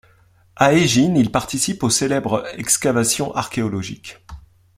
À Egine, il participe aux célèbres excavations archéologiques.